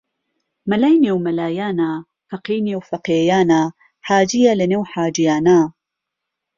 مەلای نێو مەلایانە فەقێی نێو فەقێیانە حاجیە لە نێو حاجیانە